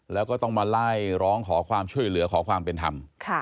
แล้วก็ต้องมาไล่ร้องขอความช่วยเหลือขอความเป็นธรรม